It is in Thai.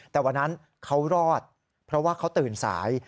แต่วันนั้นเขารอดเพราะว่าเขาตื่นสาย